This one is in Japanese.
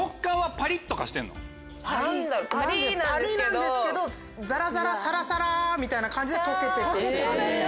パリっなんですけどザラザラサラサラみたいな感じで溶けてくって感じですね。